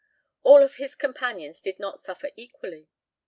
All of his companions did not suffer equally.